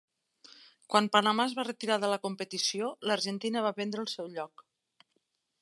Quan Panamà es va retirar de la competició, l'Argentina va prendre el seu lloc.